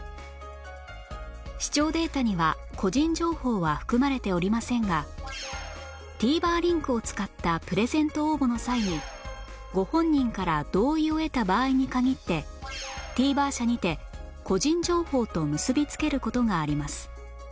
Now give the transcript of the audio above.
視聴データには個人情報は含まれておりませんが ＴＶｅｒ リンクを使ったプレゼント応募の際にご本人から同意を得た場合に限って ＴＶｅｒ 社にて個人情報と結びつける事があります